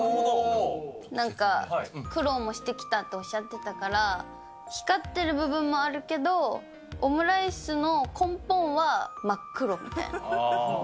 なんか、苦労もしてきたっておっしゃってたから、光ってる部分もあるけど、オムライスの根本は真っ黒みたいな。